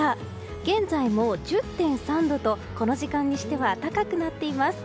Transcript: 現在も１０．３度とこの時間にしては高くなっています。